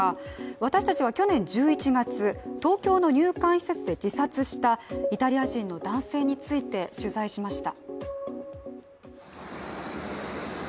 私たちは去年１１月、東京の入管施設で自殺したイタリア人の男性について取材しました。